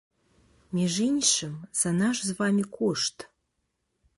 Між іншым, за наш з вамі кошт.